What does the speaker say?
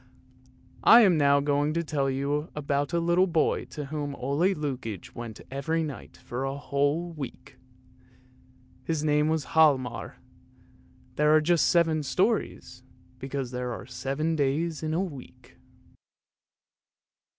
I am now going to tell you about a little boy to whom Ole Lukoie went every night for a whole week. His name was Hialmar. There are just seven stories, because there are seven days in a week.